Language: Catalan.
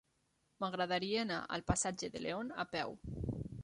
M'agradaria anar al passatge de León a peu.